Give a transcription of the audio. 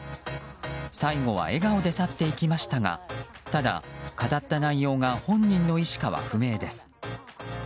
最後は笑顔で去っていきましたがただ、語った内容が本人の意思かは不明です。